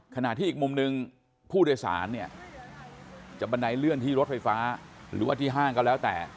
ขณะที่อีกมุมหนึ่งผู้โดยสารเนี่ยจะบันไดเลื่อนที่รถไฟฟ้าหรือว่าที่ห้างก็แล้วแต่